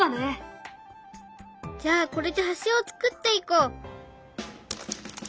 じゃあこれで橋を作っていこう！